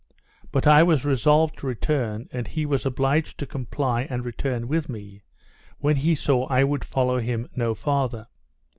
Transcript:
But I was resolved to return, and he was obliged to comply and return with me, when he saw I would follow him no farther.